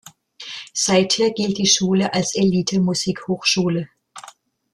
Seither gilt die Schule als Elite-Musikhochschule.